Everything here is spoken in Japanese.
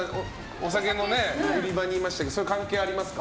お酒の売り場にいましたけど関係ありました？